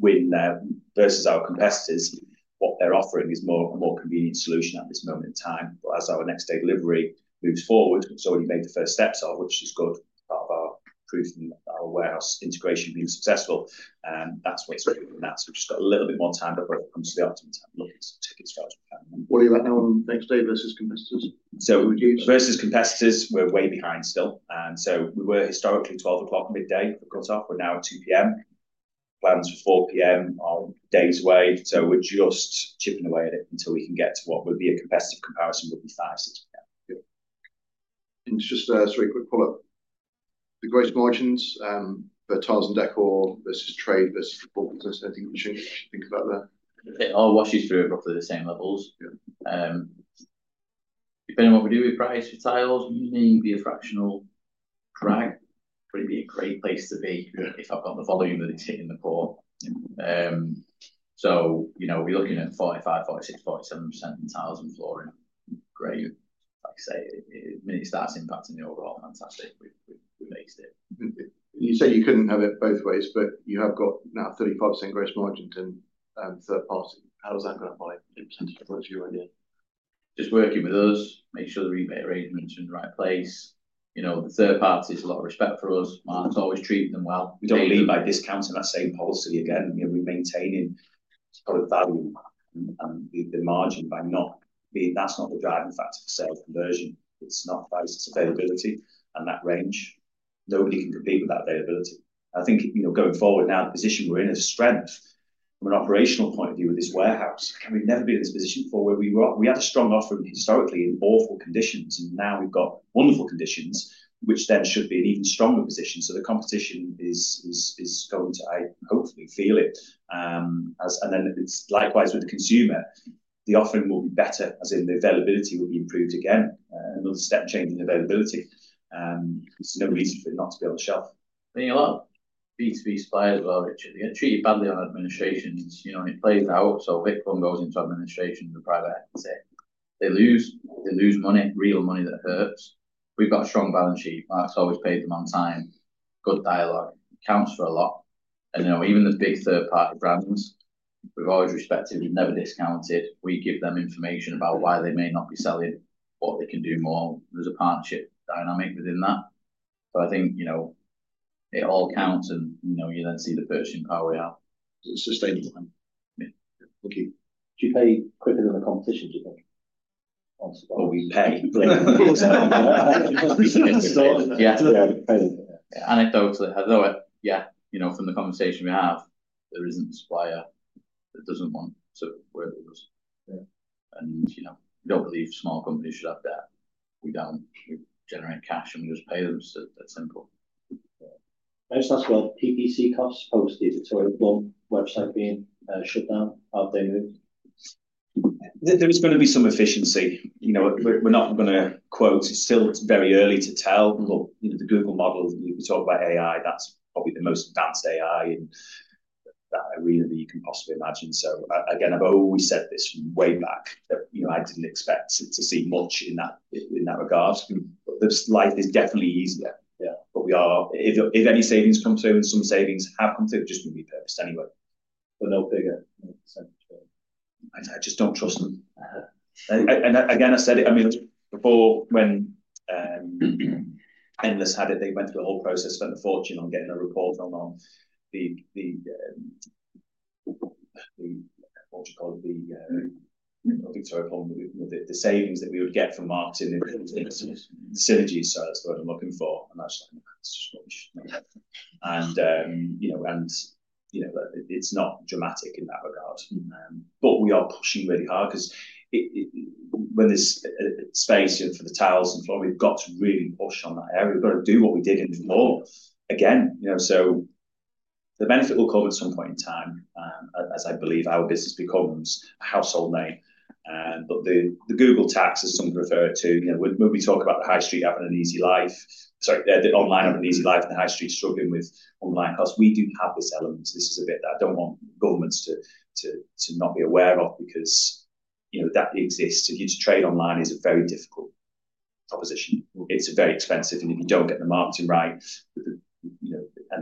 B: win there versus our competitors. What they're offering is a more convenient solution at this moment in time. But as our next-day delivery moves forward, it's already made the first steps, which is good. Part of our proof and our warehouse integration being successful. That's what's driving that, so we've just got a little bit more time before it comes to the ultimate time looking at some tickets strategy.
D: What are you at now on next-day versus competitors?
B: So versus competitors, we're way behind still. So we were historically 12:00 P.M. for cut-off. We're now at 2:00 P.M. Plans for 4:00 P.M. are days away. So we're just chipping away at it until we can get to what would be a competitive comparison with the 5:00 P.M., 6:00 P.M.
D: Interesting. Just a very quick follow-up. The gross margins for tiles and deco versus trade versus the core business, anything you should think about there?
B: Our wash-throughs are roughly the same levels. Depending on what we do with price for tiles, we may be a fractional drag, but it'd be a great place to be if I've got the volume of the take in the pot, so we're looking at 45%, 46%, 47% in tiles and flooring. Great. Like I say, when it starts impacting the overall, fantastic. We've aced it.
D: You said you couldn't have it both ways, but you have got now 35% gross margin to third party.
B: How is that going to apply?
D: That's your idea.
B: Just working with us, make sure the rebate arrangement's in the right place. The third party has a lot of respect for us. Mark's always treating them well. We don't lead by discounting that same policy again. We're maintaining sort of value and the margin by not being, that's not the driving factor for sales conversion. It's not price, it's availability and that range. Nobody can compete with that availability. I think going forward now, the position we're in as a strength from an operational point of view with this warehouse, we've never been in this position before where we had a strong offering historically in awful conditions. And now we've got wonderful conditions, which then should be an even stronger position. So the competition is going to, I hopefully, feel it. And then it's likewise with the consumer.
C: The offering will be better, as in the availability will be improved again. Another step change in availability. There's no reason for it not to be on the shelf. Being a lot of B2B suppliers as well, Richard. They're treated badly on administrations. It plays out. So Vic Plumb goes into administration as a private entity. They lose money, real money that hurts. We've got a strong balance sheet. Mark's always paid them on time. Good dialogue. It counts for a lot. And even the big third-party brands, we've always respected. We've never discounted. We give them information about why they may not be selling, what they can do more. There's a partnership dynamic within that. So I think it all counts, and you then see the purchasing power we have.
D: It's sustainable.
B: Thank you. Do you pay quicker than the competition, do you think? Well, we pay. Yeah. Anecdotally, I know it. Yeah. From the conversation we have, there isn't a supplier that doesn't want to work with us. And we don't believe small companies should have that. We don't. We generate cash and we just pay them. So that's simple.
D: Ben's asked about PPC costs posted. So has one website been shut down? How have they moved?
B: There is going to be some efficiency. We're not going to quote. It's still very early to tell, but the Google model, we talk about AI. That's probably the most advanced AI in that arena that you can possibly imagine, so again, I've always said this from way back that I didn't expect to see much in that regard, but life is definitely easier, but if any savings come through and some savings have come through, it just wouldn't be purchased anyway.
D: But no bigger percentage?
B: I just don't trust them, and again, I said it. I mean, before, when Endless had it, they went through a whole process, spent a fortune on getting a report on the - what do you call it? - the Victoria Plumb, the savings that we would get from the merger's in the synergy, so that's the word I'm looking for, and that's just what we should know, and it's not dramatic in that regard, but we are pushing really hard because when there's space for the tiles and flooring, we've got to really push on that area. We've got to do what we did in the flooring again, so the benefit will come at some point in time, as I believe our business becomes a household name. But the Google tax, as some refer to, when we talk about the High Street having an easy life, sorry, the online having an easy life and the High Street struggling with online costs, we do have this element. This is a bit that I don't want governments to not be aware of because that exists. If you just trade online, it's a very difficult proposition. It's very expensive. And if you don't get the marketing right and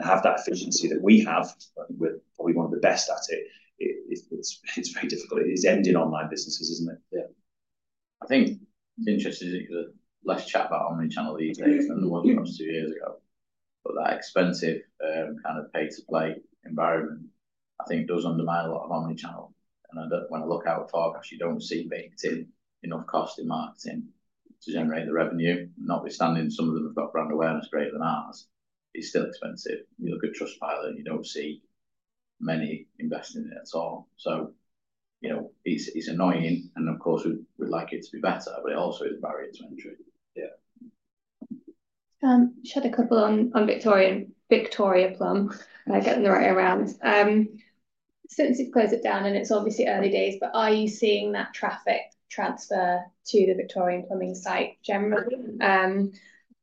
B: have that efficiency that we have, we're probably one of the best at it. It's very difficult. It is ending online businesses, isn't it? Yeah.
C: I think it's interesting because there's less chat about omnichannel these days than there was two years ago. But that expensive kind of pay-to-play environment, I think, does undermine a lot of omnichannel. And when I look at our stock, actually, you don't see baked in enough cost in marketing to generate the revenue. And obviously, some of them have got brand awareness greater than ours. It's still expensive. You look at Trustpilot, and you don't see many investing in it at all. So it's annoying. And of course, we'd like it to be better, but it also is a barrier to entry. Yeah.
B: I've shared a couple on Victoria Plumb. I get them the right way around. So to close it down, and it's obviously early days, but are you seeing that traffic transfer to the Victorian Plumbing site generally?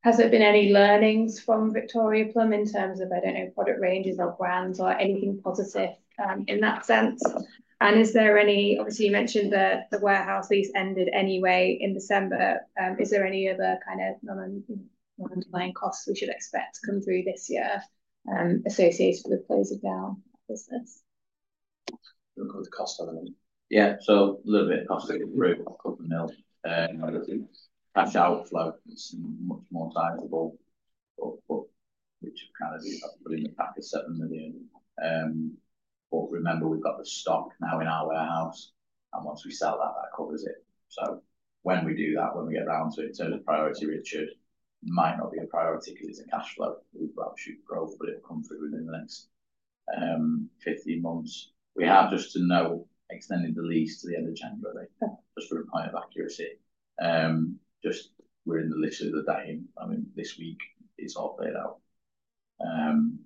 B: Has there been any learnings from Victoria Plumb in terms of, I don't know, product ranges or brands or anything positive in that sense? And is there any, obviously, you mentioned the warehouse lease ended anyway in December. Is there any other kind of underlying costs we should expect to come through this year associated with closing down that business?
D: The cost element.
B: Yeah. So a little bit of cost. Cash outflow is much more tangible. But which kind of put in the pack of 7 million. But remember, we've got the stock now in our warehouse. And once we sell that, that covers it. So when we do that, when we get round to it in terms of priority, Richard, it might not be a priority because it's a cash flow. We've got a shoot for growth, but it'll come through within the next 15 months. We have just to know extending the lease to the end of January, just for a point of accuracy. Just we're in the list of the day. I mean, this week is all played out. And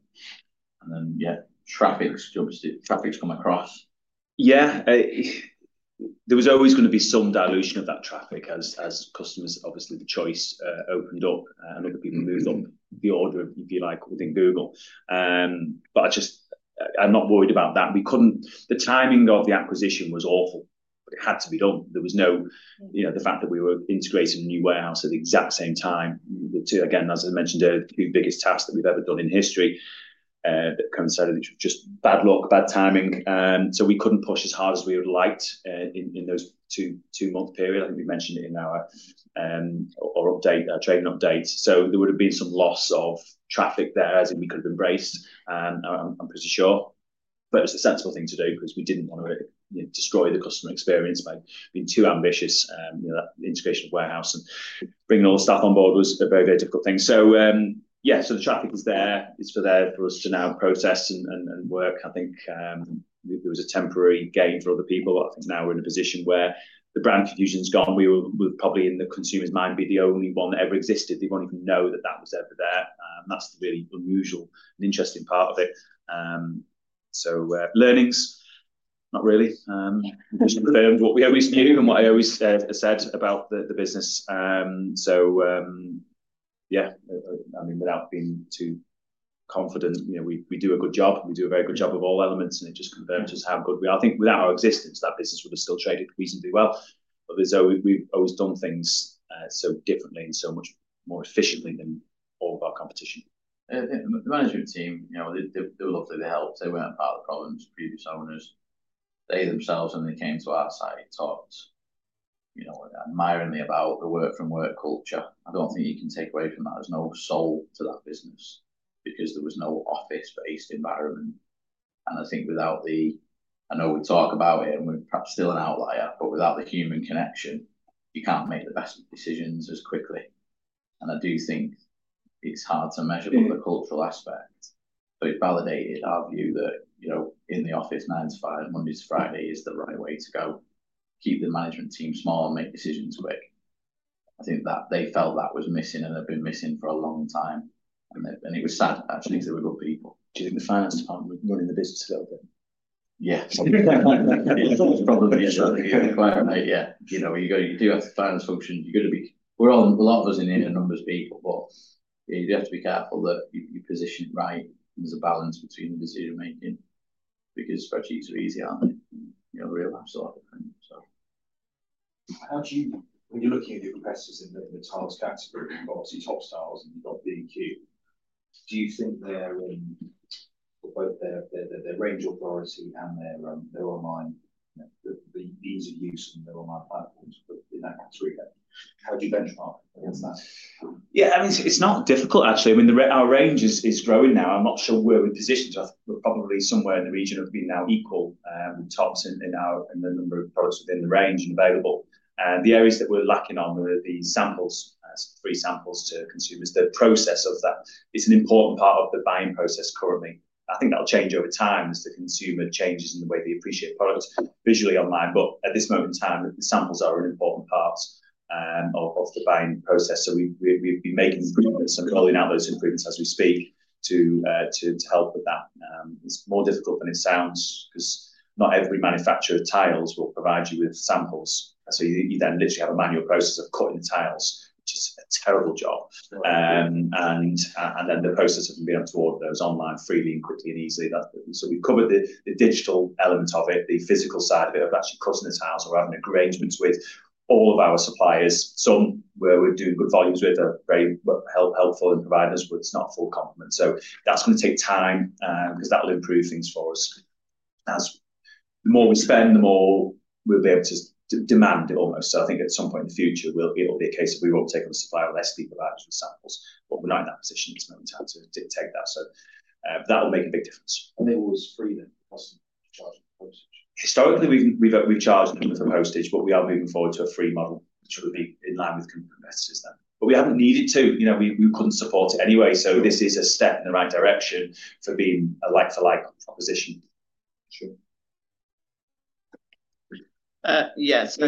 B: then, yeah, traffic's come across. Yeah. There was always going to be some dilution of that traffic as customers, obviously, the choice opened up. Other people moved on the order, if you like, within Google. I'm not worried about that. The timing of the acquisition was awful, but it had to be done. There was no, the fact that we were integrating a new warehouse at the exact same time. Again, as I mentioned earlier, the two biggest tasks that we've ever done in history that coincided, which was just bad luck, bad timing. We couldn't push as hard as we would like in those two-month period. I think we mentioned it in our trade updates. There would have been some loss of traffic there as we could have embraced, I'm pretty sure. It was a sensible thing to do because we didn't want to destroy the customer experience by being too ambitious in that integration of warehouse. Bringing all the staff on board was a very, very difficult thing. So yeah, so the traffic is there. It's there for us to now process and work. I think there was a temporary gain for other people. I think now we're in a position where the brand confusion's gone. We were probably in the consumer's mind to be the only one that ever existed. They won't even know that that was ever there. That's the really unusual and interesting part of it. So learnings, not really. Just confirmed what we always knew and what I always said about the business. So yeah, I mean, without being too confident, we do a good job. We do a very good job of all elements, and it just confirms just how good we are. I think without our existence, that business would have still traded reasonably well. We've always done things so differently and so much more efficiently than all of our competition. The management team, they were lovely to help. They weren't part of the problems, previous owners. They themselves, when they came to our site, talked admiringly about the work-from-home culture. I don't think you can take away from that. There's no soul to that business because there was no office-based environment. I think without the, I know we talk about it, and we're perhaps still an outlier, but without the human connection, you can't make the best decisions as quickly. I do think it's hard to measure the cultural aspect. It validated our view that in the office, 9:00 A.M. to 5:00 P.M., Monday to Friday is the right way to go. Keep the management team small and make decisions quick. I think they felt that was missing and had been missing for a long time, and it was sad, actually, because there were good people.
D: Do you think the finance department wouldn't run in the business a little bit?
B: Yeah. Probably. Yeah. You do have to finance functions. You're going to be, we're all, a lot of us in here, are numbers people. But you do have to be careful that you position it right. There's a balance between the decision-making because spreadsheets are easy, aren't they? Real apps are a lot of them, so.
D: When you're looking at your competitors in the tiles category, you've obviously got Topps Tiles, and you've got B&Q. Do you think their range authority and their online, the ease of use and their online platforms in that category? How do you benchmark against that?
B: Yeah. I mean, it's not difficult, actually. I mean, our range is growing now. I'm not sure where we positioned. We're probably somewhere in the region of being now equal with Topps in the number of products within the range and available. The areas that we're lacking on are the samples, free samples to consumers. The process of that is an important part of the buying process currently. I think that'll change over time as the consumer changes in the way they appreciate products visually online. But at this moment in time, the samples are an important part of the buying process. So we've been making improvements and rolling out those improvements as we speak to help with that. It's more difficult than it sounds because not every manufacturer of tiles will provide you with samples. You then literally have a manual process of cutting the tiles, which is a terrible job. And then the process of being able to order those online freely and quickly and easily. We've covered the digital element of it, the physical side of it of actually cutting the tiles or having arrangements with all of our suppliers. Some, where we're doing good volumes with, are very helpful and provide us, but it's not a full complement. That's going to take time because that will improve things for us. The more we spend, the more we'll be able to demand it almost. I think at some point in the future, it'll be a case of we will take on a supplier of less people who actually samples. But we're not in that position at the moment to have to dictate that. So that will make a big difference.
D: It was free then to charge for postage?
B: Historically, we've charged them for postage, but we are moving forward to a free model, which would be in line with competitors then. But we haven't needed to. We couldn't support it anyway. So this is a step in the right direction for being a like-for-like proposition.
D: Sure.
E: Yeah. So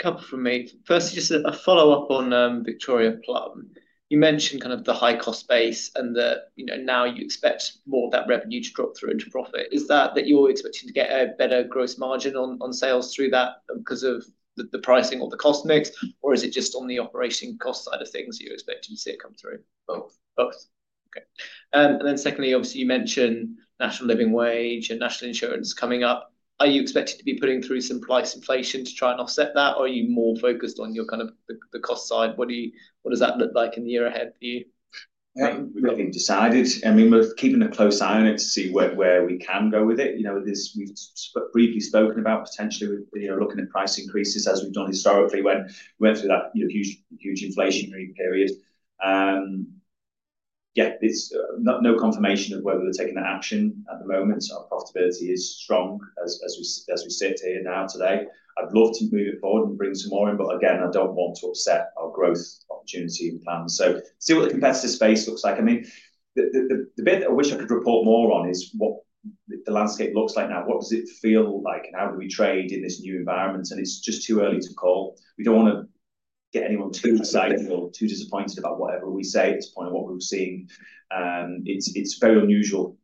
E: a couple from me. First, just a follow-up on Victoria Plumb. You mentioned kind of the high-cost base and that now you expect more of that revenue to drop through into profit. Is that you're expecting to get a better gross margin on sales through that because of the pricing or the cost mix, or is it just on the operating cost side of things that you're expecting to see it come through?
B: Both.
E: Both. Okay. And then secondly, obviously, you mentioned national living wage and national insurance coming up. Are you expected to be putting through some price inflation to try and offset that, or are you more focused on your kind of the cost side? What does that look like in the year ahead for you?
B: We've nothing decided. I mean, we're keeping a close eye on it to see where we can go with it. We've briefly spoken about potentially looking at price increases as we've done historically when we went through that huge inflationary period. Yeah. No confirmation of whether we're taking that action at the moment. Our profitability is strong as we sit here now today. I'd love to move it forward and bring some more in. But again, I don't want to upset our growth opportunity plans. So see what the competitor space looks like. I mean, the bit that I wish I could report more on is what the landscape looks like now. What does it feel like? And how do we trade in this new environment? And it's just too early to call. We don't want to get anyone too excited or too disappointed about whatever we say at this point and what we're seeing. It's very unusual.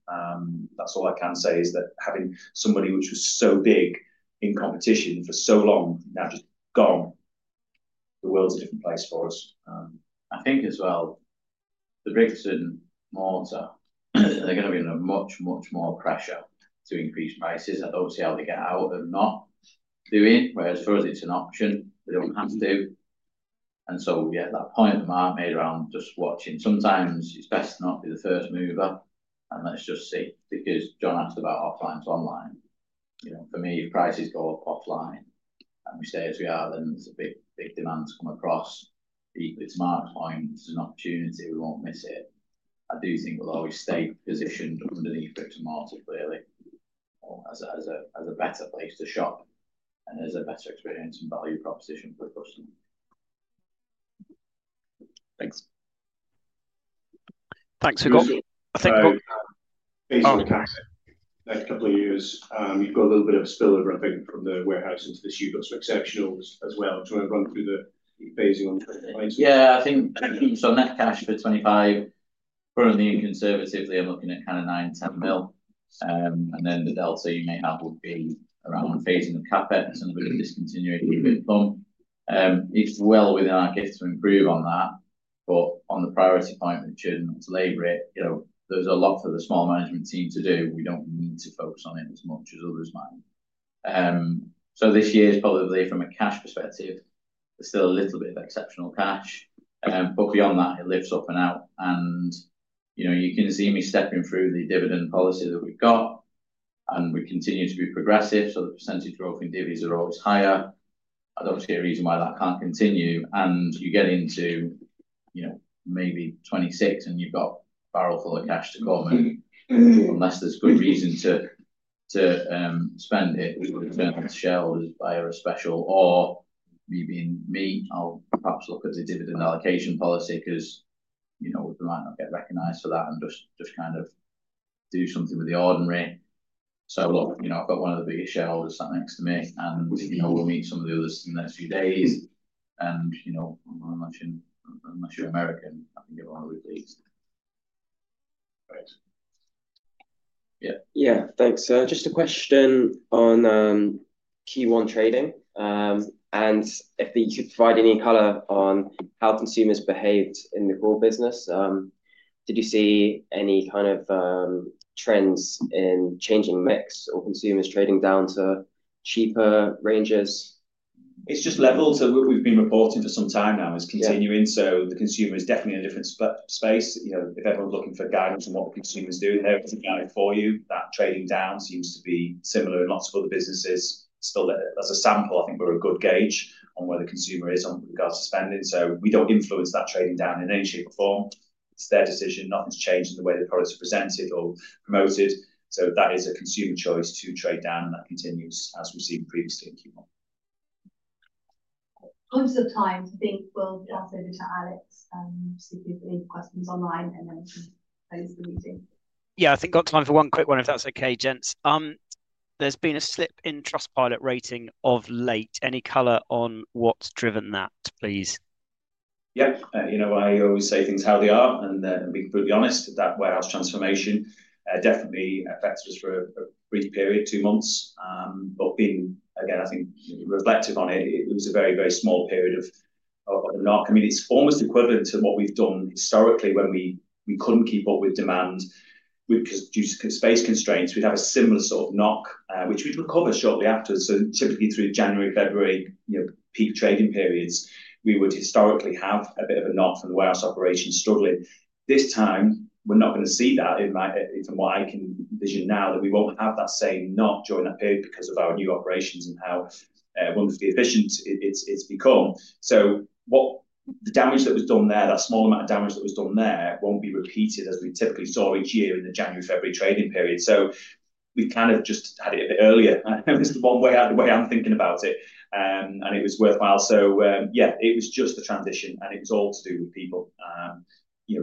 B: That's all I can say is that having somebody which was so big in competition for so long now just gone, the world's a different place for us.
C: I think as well, the brick-and-mortar, they're going to be under much, much more pressure to increase prices. I don't see how they get out of not doing it. Whereas for us, it's an option. We don't have to. And so, yeah, that point that Mark made around just watching. Sometimes it's best not to be the first mover. And let's just see. Because John asked about offline to online. For me, if prices go up offline and we stay as we are, then there's a big demand to come across. Equally to Mark's point, it's an opportunity. We won't miss it. I do think we'll always stay positioned underneath brick-and-mortar, clearly, as a better place to shop and as a better experience and value proposition for the customer.
D: Thanks.
E: Thanks, Hugo. I think.
D: Basically.
E: On the cash, next couple of years, you've got a little bit of a spillover, I think, from the warehouse into the shoebox for exceptionals as well. Do you want to run through the phasing on 25s?
C: Yeah. I think so. Net cash for 25, currently in conservatively, I'm looking at kind of 9 million. And then the delta you may have would be around phasing of CapEx and a bit of discontinuation of Victoria Plumb. It's well within our gift to improve on that. But on the priority point, we shouldn't have to labor it. There's a lot for the small management team to do. We don't need to focus on it as much as others might. So this year's probably, from a cash perspective, there's still a little bit of exceptional cash. But beyond that, it lifts up and out. You can see me stepping through the dividend policy that we've got. We continue to be progressive. So the percentage growth in divvies are always higher. I don't see a reason why that can't continue. And you get into maybe 26, and you've got a barrel full of cash to come in. Unless there's good reason to spend it, we would turn to shareholders via a special. Or me being me, I'll perhaps look at the dividend allocation policy because we might not get recognized for that and just kind of do something with the ordinary. So look, I've got one of the biggest shareholders sat next to me. And we'll meet some of the others in the next few days. And unless you're American, I think everyone would please.
D: Great.
B: Yeah.
E: Yeah. Thanks. Just a question on Q1 trading. And if you could provide any color on how consumers behaved in the core business, did you see any kind of trends in changing mix or consumers trading down to cheaper ranges?
B: It's just levels. We've been reporting for some time now. It's continuing. So the consumer is definitely in a different space. If everyone's looking for guidance on what the consumers do, there is a guide for you. That trading down seems to be similar in lots of other businesses. Still, as a sample, I think we're a good gauge on where the consumer is in regards to spending. So we don't influence that trading down in any shape or form. It's their decision. Nothing's changed in the way the products are presented or promoted. So that is a consumer choice to trade down. And that continues as we've seen previously in Q1.
A: Close of time. I think we'll pass over to Alec and see if there's any questions online, and then we can close the meeting.
F: Yeah. I think I've got time for one quick one, if that's okay, gents. There's been a slip in Trustpilot rating of late. Any color on what's driven that, please?
B: Yeah. I always say things how they are. And we can be honest that warehouse transformation definitely affects us for a brief period, two months. But again, I think reflective on it, it was a very, very small period of knock. I mean, it's almost equivalent to what we've done historically when we couldn't keep up with demand due to space constraints. We'd have a similar sort of knock, which we'd recover shortly after. So typically through January, February, peak trading periods, we would historically have a bit of a knock from the warehouse operations struggling. This time, we're not going to see that. From what I can envision now, that we won't have that same knock during that period because of our new operations and how wonderfully efficient it's become. So the damage that was done there, that small amount of damage that was done there, won't be repeated as we typically saw each year in the January, February trading period. So we kind of just had it a bit earlier. It's the one way out of the way I'm thinking about it. And it was worthwhile. So yeah, it was just the transition. And it was all to do with people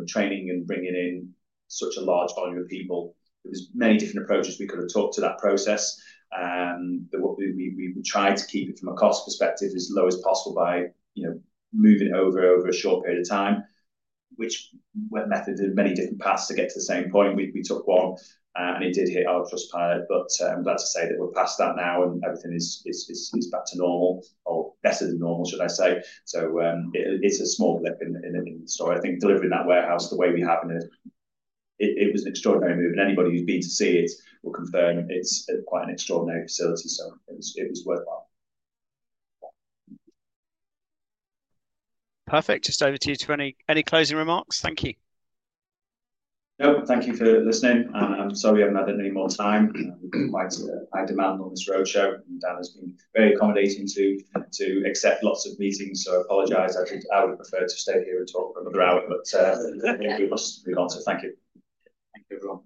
B: training and bringing in such a large volume of people. There were many different approaches we could have took to that process. We tried to keep it from a cost perspective as low as possible by moving over a short period of time, which method had many different paths to get to the same point. We took one, and it did hit our Trustpilot. But I'm glad to say that we're past that now, and everything is back to normal or better than normal, should I say. So it's a small blip in the story. I think delivering that warehouse the way we have it, it was an extraordinary move. And anybody who's been to see it will confirm it's quite an extraordinary facility. So it was worthwhile.
F: Perfect. Just over to you for any closing remarks. Thank you.
B: Nope. Thank you for listening. And I'm sorry I've not had any more time. Quite a high demand on this roadshow. And Dan has been very accommodating to accept lots of meetings. So I apologize. I would prefer to stay here and talk for another hour. But we've got to. Thank you. Thank you, everyone.